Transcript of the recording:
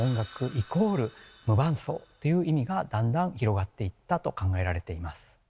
イコール「無伴奏」という意味がだんだん広がっていったと考えられています。